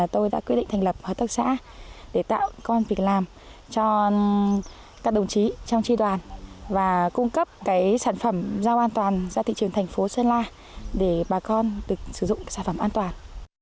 tôi đã quyết định thành lập hợp tác xã để tạo công an việc làm cho các đồng chí trong tri đoàn và cung cấp sản phẩm rau an toàn ra thị trường thành phố sơn la để bà con được sử dụng sản phẩm an toàn